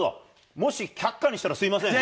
もし却下にしたらすみませんね。